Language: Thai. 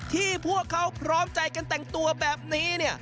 ที่พวกเขาพร้อมใจกันแต่งตัวแบบนี้